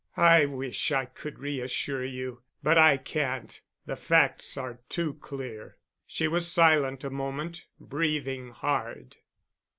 "I wish I could reassure you—but I can't. The facts are too clear." She was silent a moment, breathing hard.